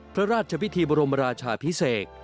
พระราชพิธีบรมราชาพิเศษ